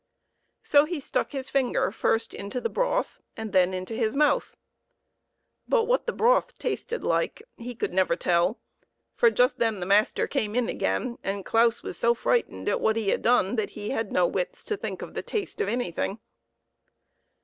So he stuck his finger first into the broth and then into his mouth ; but what the broth tasted like he never could tell, for just then the master came in again, and Claus was so frightened at what he had done that he had no wits to think of the taste of anything.